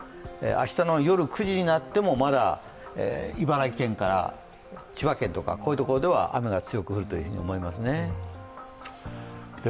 明日の夜９時になってもまだ茨城県から千葉県とか、こういうところでは雨が強く降ると思いますね。